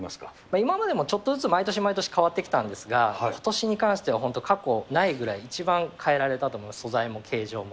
今までもちょっとずつ毎年毎年、変わってきたんですが、ことしに関しては、本当、過去ないぐらい、一番変えられたと思います、素材も、形状も。